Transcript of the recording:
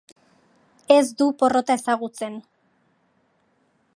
Ez du porrota ezagutzen.